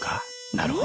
なるほど。